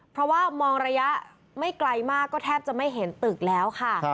เพราะว่ามองระยะไม่ไกลมากก็แทบจะไม่เห็นตึกแล้วค่ะ